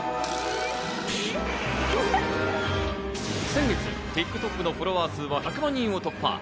先月、ＴｉｋＴｏｋのフォロワー数は１００万人を突破。